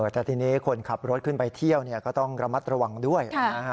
แต่ทีนี้คนขับรถขึ้นไปเที่ยวก็ต้องระมัดระวังด้วย